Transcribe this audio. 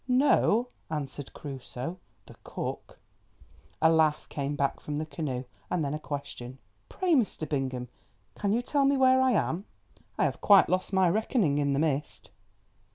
"No," answered Crusoe, "the cook——" A laugh came back from the canoe—and then a question. "Pray, Mr. Bingham, can you tell me where I am? I have quite lost my reckoning in the mist."